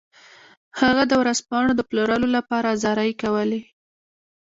هغه د ورځپاڼو د پلورلو لپاره زارۍ کولې.